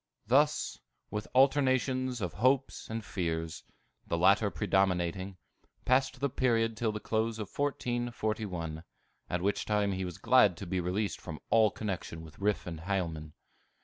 Thus, with alternations of hopes and fears, the latter predominating, passed the period till the close of 1441, at which time he was glad to be released from all connection with Riffe and Hielman.